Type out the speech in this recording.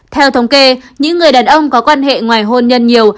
theo thống kê những người đàn ông có quan hệ ngoài hôn nhân nhiều